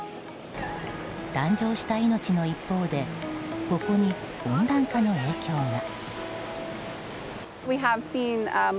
誕生した命の一方でここに温暖化の影響が。